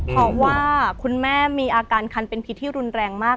เพราะว่าคุณแม่มีอาการคันเป็นพิษที่รุนแรงมาก